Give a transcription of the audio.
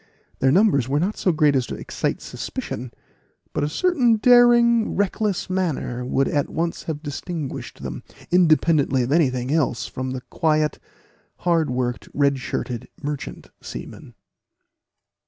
Their numbers were not so great as to excite suspicion: but a certain daring, reckless manner, would at once have distinguished them, independently of anything else, from the quiet, hard worked, red shirted, merchant seaman.